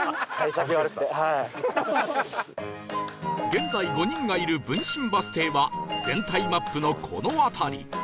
現在５人がいる文新バス停は全体マップのこの辺り